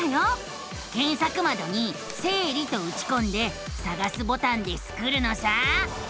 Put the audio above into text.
けんさくまどに「生理」とうちこんで「さがす」ボタンでスクるのさ！